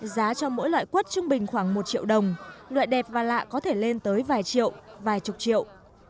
giá cho mỗi loại quất trung bình khoảng một triệu đồng loại đẹp và lạ có thể lên tới vài triệu vài chục triệu